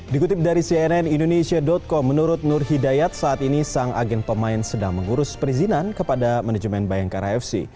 dikutip dari cnn indonesia com menurut nur hidayat saat ini sang agen pemain sedang mengurus perizinan kepada manajemen bayangkara fc